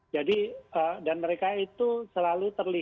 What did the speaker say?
jadi dan mereka itu selalu terjadi